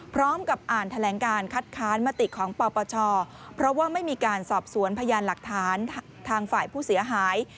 พร้อมกับอ่านแถลงการคัดค้านมติของปปชเพราะว่าไม่มีการสอบสวนพยานหลักฐานทางฝ่ายผู้เสียหาย